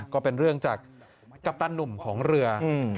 ก็เป็นเรื่องจากกัปตันหนุ่มของเรือ